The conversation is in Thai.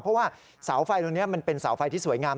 เพราะว่าเสาไฟตรงนี้มันเป็นเสาไฟที่สวยงาม